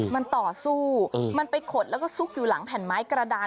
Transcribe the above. มันต่อสู้มันไปขดแล้วก็ซุกอยู่หลังแผ่นไม้กระดาน